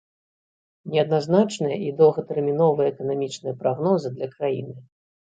Неадназначныя і доўгатэрміновыя эканамічныя прагнозы для краіны.